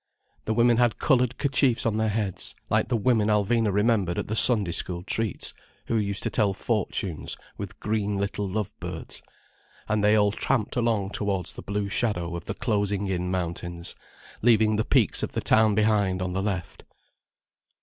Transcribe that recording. The women had coloured kerchiefs on their heads, like the women Alvina remembered at the Sunday School treats, who used to tell fortunes with green little love birds. And they all tramped along towards the blue shadow of the closing in mountains, leaving the peaks of the town behind on the left.